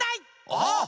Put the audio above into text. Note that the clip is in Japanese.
あっ！